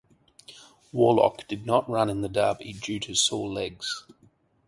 Warlock did not run in the Derby due to sore legs.